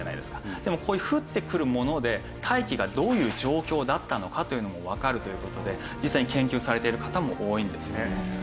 でもこういう降ってくるもので大気がどういう状況だったのかというものもわかるという事で実際に研究されている方も多いんですよね。